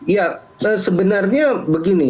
ya sebenarnya begini